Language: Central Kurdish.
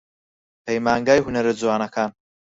پەیمانگەی هونەرە جوانەکان